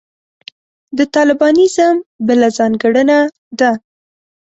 د طالبانیزم بله ځانګړنه ده.